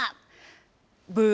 ブー。